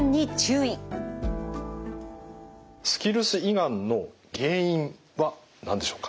スキルス胃がんの原因は何でしょうか？